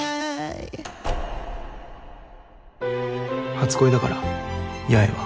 初恋だから八重は。